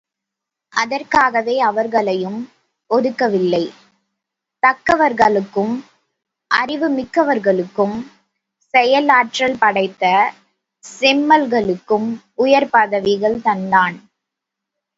அதற்காகவே அவர்களையும் ஒதுக்கவில்லை தக்கவர்களுக்கும், அறிவு மிக்கவர்களுக்கும் செயலாற்றல் படைத்த செம்மல்களுக்கும் உயர் பதவிகள் தந்தான்.